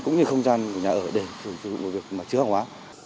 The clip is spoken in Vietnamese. cũng như không gian nhà ở để sử dụng một việc mà chưa hóa